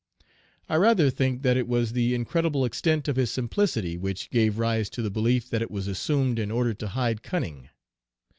I rather think that it was the incredible extent of his simplicity which gave rise to the belief that it was assumed in order to hide cunning.